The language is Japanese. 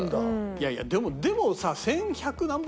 いやいやでもさ。